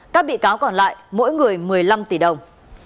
các bị cáo còn lại mỗi người một mươi năm tỷ đồng